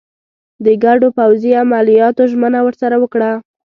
د ګډو پوځي عملیاتو ژمنه ورسره وکړه.